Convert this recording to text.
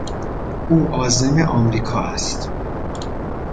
او عازم امریکا است.